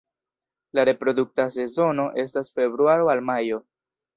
La reprodukta sezono estas februaro al majo.